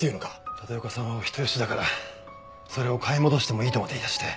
立岡さんはお人よしだからそれを買い戻してもいいとまで言い出して。